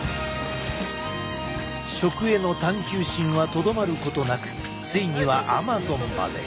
食への探究心はとどまることなくついにはアマゾンまで。